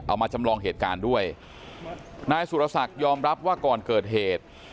มาจำลองเหตุการณ์ด้วยนายสุรศักดิ์ยอมรับว่าก่อนเกิดเหตุ